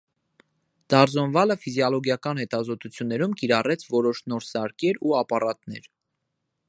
Դարսոնվալը ֆիզիոլոգիական հետազոտություններում կիրառեց որոշ նոր սարքեր ու ապարատներ։